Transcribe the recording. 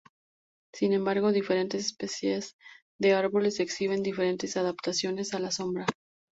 Sin embargo, diferentes especies de árboles exhiben diferentes adaptaciones a la sombra.